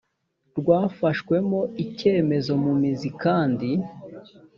rwafashwemo icyemezo mu mizi kandi